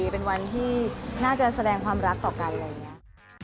เป็นวันที่น่าจะแสดงความรักต่อกันอะไรอย่างนี้